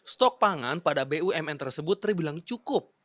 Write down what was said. stok pangan pada bumn tersebut terbilang cukup